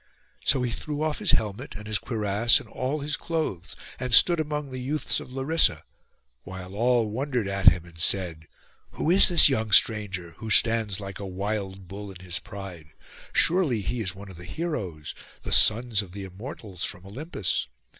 So he threw off his helmet, and his cuirass, and all his clothes, and stood among the youths of Larissa, while all wondered at him, and said, 'Who is this young stranger, who stands like a wild bull in his pride? Surely he is one of the heroes, the sons of the Immortals, from Olympus.